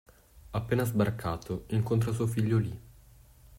Appena sbarcato incontra suo figlio Lee.